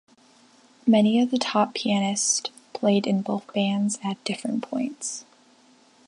Many of the top pianists played in both bands at different points.